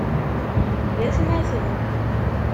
D atmaten.